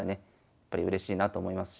やっぱりうれしいなと思いますし